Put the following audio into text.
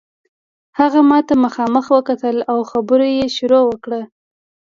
هغه ماته مخامخ وکتل او په خبرو یې شروع وکړه.